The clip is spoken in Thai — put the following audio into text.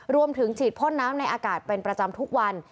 ฉีดพ่นน้ำในอากาศเป็นประจำทุกวัน